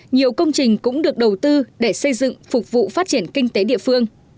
nhiều công trình cũng được đầu tư để xây dựng phục vụ phát triển kinh tế địa phương